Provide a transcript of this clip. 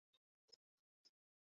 Accident হচ্ছে একটা ইংরেজি শব্দ।